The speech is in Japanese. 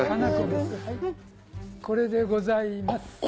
これでございます。